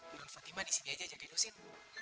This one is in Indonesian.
menurut fatimah di sini aja jaga usin